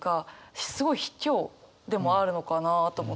すごいひきょうでもあるのかなと思って。